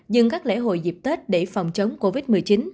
dừng các lễ hội dịp tết để phòng chống covid một mươi chín